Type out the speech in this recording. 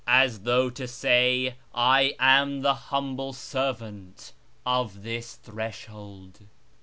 As though to say, ' I am the humble servant of this threshold.'